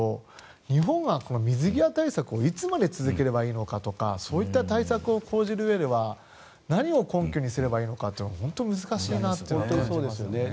日本は水際対策をいつまで続ければいいのかとかそういった対策を講じるうえでは何を根拠にすればいいのかが本当難しいなと。